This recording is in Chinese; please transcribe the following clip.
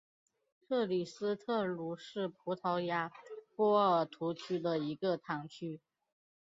克里斯特卢是葡萄牙波尔图区的一个堂区。